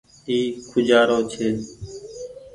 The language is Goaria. اي کوجآرو ڇي۔